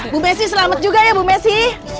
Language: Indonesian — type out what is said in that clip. bu messi selamat juga ya bu messi